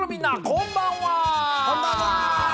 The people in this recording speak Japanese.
こんばんは！